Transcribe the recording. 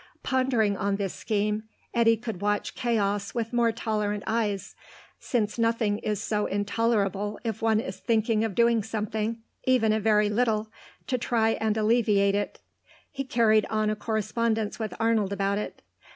Pondering on this scheme, Eddy could watch chaos with more tolerant eyes, since nothing is so intolerable if one is thinking of doing something, even a very little, to try and alleviate it. He carried on a correspondence with Arnold about it.